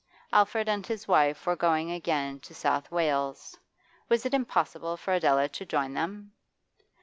Alfred and his wife were going again to South Wales; was it impossible for Adela to join them?